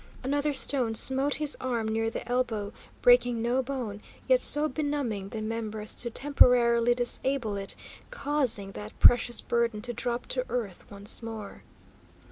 Another stone smote his arm near the elbow, breaking no bone, yet so benumbing the member as to temporarily disable it, causing that precious burden to drop to earth once more.